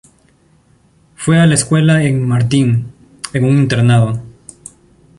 Fue a la escuela en Mardin, en un internado.